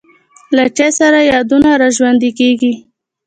له چای سره یادونه را ژوندی کېږي.